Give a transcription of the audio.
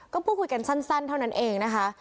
ก็พูดคุยกันสั้นเท่านั้นเองนะคะ